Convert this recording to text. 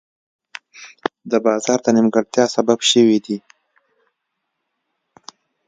د بازار د نیمګړتیا سبب شوي دي.